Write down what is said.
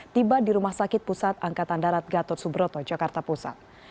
tiba di rumah sakit pusat angkatan darat gatot subroto jakarta pusat